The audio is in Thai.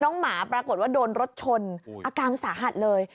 หมาปรากฏว่าโดนรถชนอาการสาหัสเลย